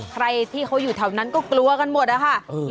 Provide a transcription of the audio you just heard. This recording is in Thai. ใครที่เขาอยู่แถวนั้นก็กลัวกันหมดอะค่ะ